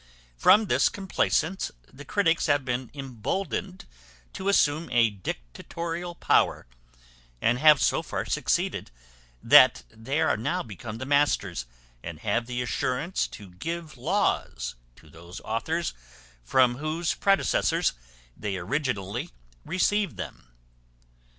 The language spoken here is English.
From this complacence, the critics have been emboldened to assume a dictatorial power, and have so far succeeded, that they are now become the masters, and have the assurance to give laws to those authors from whose predecessors they originally received them.